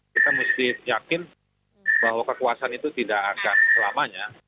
kita mesti yakin bahwa kekuasaan itu tidak akan selamanya